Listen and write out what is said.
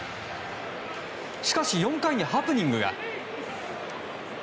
しかし、４回にハプニングが。